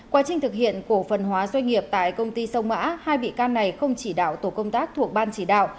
quá trình thực hiện cổ phần hóa doanh nghiệp tại công ty sông mã hai bị can này không chỉ đạo tổ công tác thuộc ban chỉ đạo